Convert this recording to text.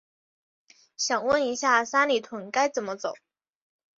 想问一下，三里屯该怎么走？